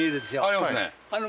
ありますね。